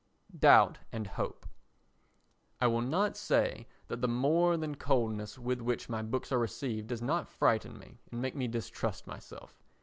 Doubt and Hope I will not say that the more than coldness with which my books are received does not frighten me and make me distrust myself.